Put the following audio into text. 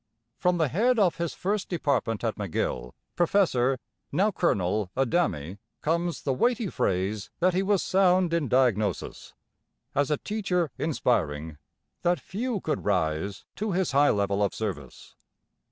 From the head of his first department at McGill, Professor, now Colonel, Adami, comes the weighty phrase, that he was sound in diagnosis; as a teacher inspiring; that few could rise to his high level of service.